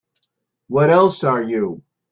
What else are you?